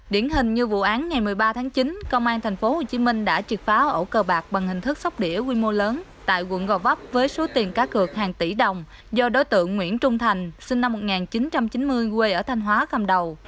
điển hình như vụ án ngày một mươi ba tháng chín công an tp hcm đã triệt phá ổ bạc bằng hình thức sóc đĩa quy mô lớn tại quận gò vấp với số tiền cá cược hàng tỷ đồng do đối tượng nguyễn trung thành sinh năm một nghìn chín trăm chín mươi quê ở thanh hóa cầm đầu